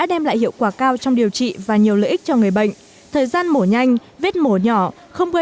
sau cuộc điều tra kéo dài bốn tháng